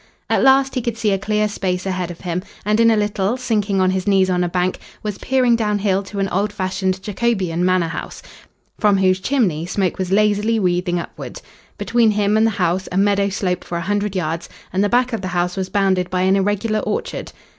At last he could see a clear space ahead of him, and in a little, sinking on his knees on a bank, was peering downhill to an old fashioned, Jacobean manor house, from whose chimney smoke was lazily wreathing upward. Between him and the house a meadow sloped for a hundred yards, and the back of the house was bounded by an irregular orchard.